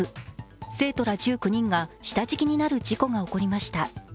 生徒ら１９人が下敷きになる事故が起こりました。